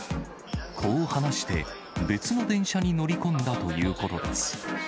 こう話して、別の電車に乗り込んだということです。